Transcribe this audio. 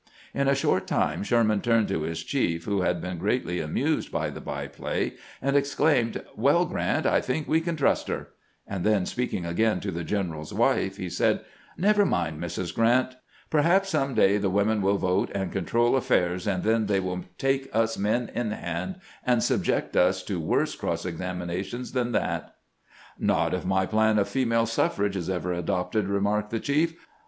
In a short time Sherman turned to his chief, who had been greatly amused by the by play, and exclaimed :" Well, Grrant, I think we can trust her "; and then, speaking again to the general's wife, he said :" Never mind, Mrs. Grrant ; perhaps some day the women will vote and control affairs, and then they will take us men in hand and subject us to worse cross examinations than that." " Not if my plan of female suffrage is ever adopted," re marked the chief.